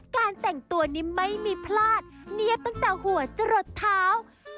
การแต่งตัวนี้ไม่มีพลาดเนี๊ยบตั้งแต่หัวจะหลดเท้า